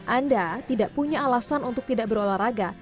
anda tidak punya alasan untuk tidak berolahraga